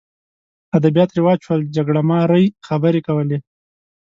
ادبیات رواج شول جګړه مارۍ خبرې کولې